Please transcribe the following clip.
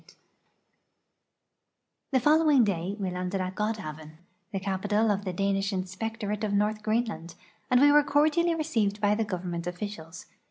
102 A SUMMER VOYAGE TO THE ARCTIC The following day we landed at Godhavn, the ca})ital of tlie Danish inspectorate of North Greenland, and were cordially re ceived by the government officials.